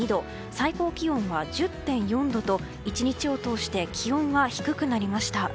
最高気温は１０．４度と１日を通して気温が低くなりました。